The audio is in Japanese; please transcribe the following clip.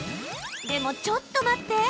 でも、ちょっと待って！